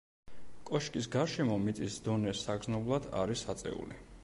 კოშკის გარშემო მიწის დონე საგრძნობლად არის აწეული.